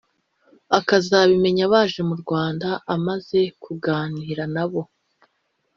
akazabimenya baje mu Rwanda amaze kuganira nabo